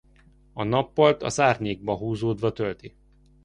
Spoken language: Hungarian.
A nappalt az árnyékba húzódva tölti.